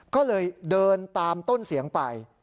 ก็เลยเดินตามต้นเสียงไป